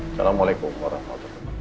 assalamu'alaikum warahmatullahi wabarakatuh